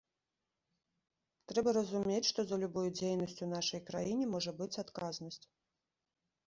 Трэба разумець, што за любую дзейнасць у нашай краіне можа быць адказнасць.